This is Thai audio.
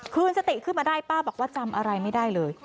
คืนสติขึ้นมาได้ป้าบอกว่าจำอะไรไม่ได้เลย